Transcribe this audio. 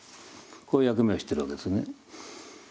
こういう役目をしてるわけですね。